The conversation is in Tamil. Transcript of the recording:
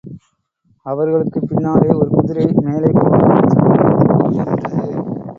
அவர்களுக்குப் பின்னாலே ஒரு குதிரை, மேலே போகாமல், சண்டித்தனம் செய்து கொண்டு நின்றது.